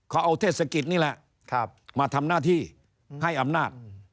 เขาเอาเทศกิจนี่แหละมาทำหน้าที่ให้อำนาจ